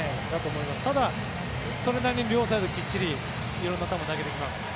ただ、それなりに両サイドきっちり色んな球を投げてきます。